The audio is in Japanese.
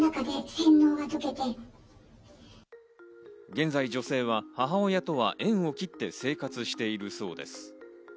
現在、女性は母親とは縁を切って生活しているそうです。